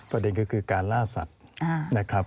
ประเด็นก็คือการล่าสัตว์นะครับ